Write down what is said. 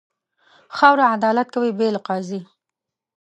خاوره عدالت کوي، بې له قاضي.